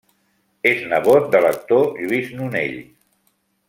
És nebot de l'actor Lluís Nonell.